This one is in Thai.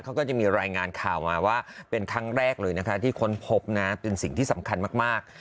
เขาก็จะมีรายงานข่าวมาว่าเป็นครั้งแรกเลยนะคะที่ค้นพบนะเป็นสิ่งที่สำคัญมาก